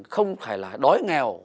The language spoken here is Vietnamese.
không phải là đói nghèo